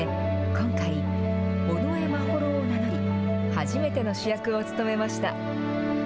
今回、尾上眞秀を名乗り初めての主役を務めました。